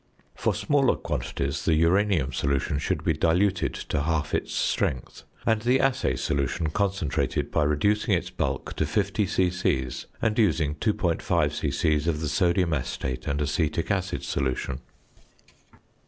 For smaller quantities the uranium solution should be diluted to half its strength, and the assay solution concentrated by reducing its bulk to 50 c.c. and using 2.5 c.c. of the sodium acetate and acetic acid solution.